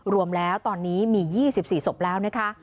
รวมแล้วตอนนี้มี๒๔ศพแล้วนะคะ